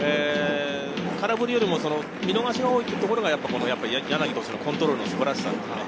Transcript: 空振りよりも見逃しが多いところが柳投手のコントロールの素晴らしさ。